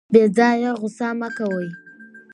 بې ځایه غوسه مه کوئ.